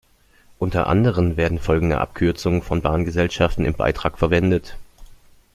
Untern anderen werden folgende Abkürzungen von Bahngesellschaften im Beitrag verwendet.